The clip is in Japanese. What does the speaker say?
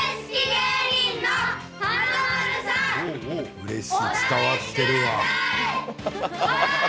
うれしい、伝わっているわ。